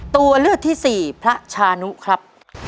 ตัวเลือกที่สี่พระชานุครับ